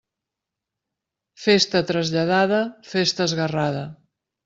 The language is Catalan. Festa traslladada, festa esguerrada.